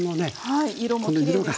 はい色もきれいですね。